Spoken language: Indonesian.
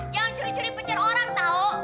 jangan curi curi pencar orang tau